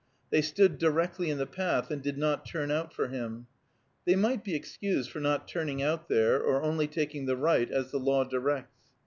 They stood directly in the path, and did not turn out for him. They might be excused for not turning out there, or only taking the right as the law directs.